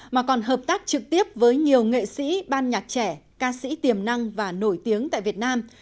mà còn hợp tác trực tiếp với nhiều nghệ sĩ ban nhạc trẻ ca sĩ tiềm năng và nổi tiếng tại việt nam